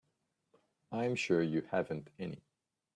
I'm sure you haven't any.